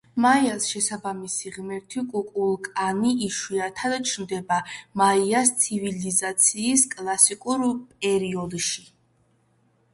მაიას შესაბამისი ღმერთი კუკულკანი იშვიათად ჩნდება მაიას ცივილიზაციის კლასიკურ პერიოდში.